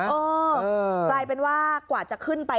เออกลายเป็นว่ากว่าจะขึ้นไป